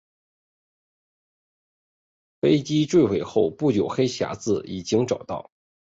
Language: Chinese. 飞机坠毁后不久黑匣子已经找到。